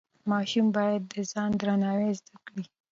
ماشوم باید د ځان درناوی زده کړي.